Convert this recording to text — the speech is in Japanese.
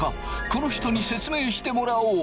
この人に説明してもらおう。